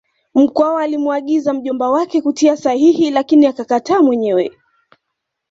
Mkwawa alimuagiza mjomba wake kutia sahihi lakini akakataa mwenyewe